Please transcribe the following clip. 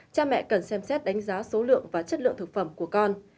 cha mẹ cần xem xét đánh giá số lượng và chất lượng thực phẩm của con